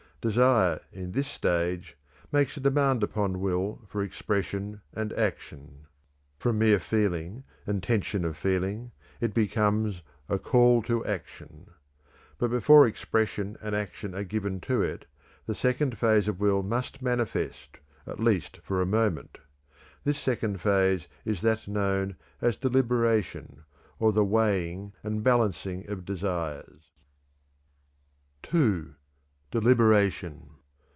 Desire in this stage makes a demand upon will for expression and action. From mere feeling, and tension of feeling, it becomes a call to action. But before expression and action are given to it, the second phase of will must manifest at least for a moment; this second phase is that known as deliberation, or the weighing and balancing of desires. (2). DELIBERATION.